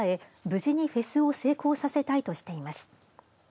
無事にフェスを成功させたいとしています。